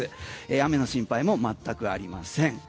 雨の心配も全くありません。